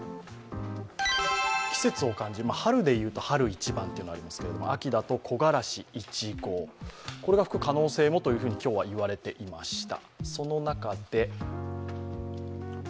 季節を感じる、春で言うと春一番というのがありますけれども、秋だと木枯らし１号が吹く可能性もと今日はいわれていました。